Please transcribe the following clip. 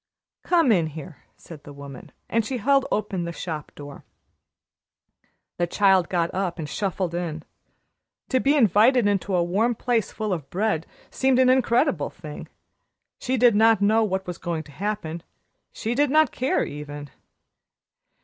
"Come in here," said the woman, and she held open the shop door. The child got up and shuffled in. To be invited into a warm place full of bread seemed an incredible thing. She did not know what was going to happen; she did not care, even.